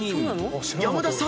［山田さん